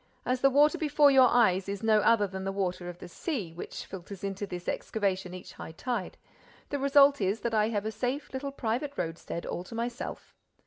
—As the water before your eyes is no other than the water of the sea, which filters into this excavation each high tide, the result is that I have a safe little private roadstead all to myself."